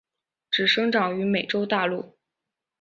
只生长于美洲大陆。